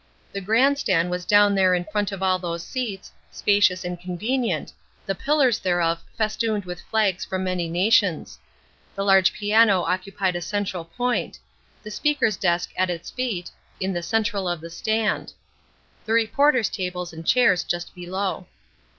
The grand stand was down here in front of all these seats, spacious and convenient, the pillars thereof festooned with flags from many nations. The large piano occupied a central point; the speaker's desk at its feet, in the central of the stand; the reporters' tables and chairs just below.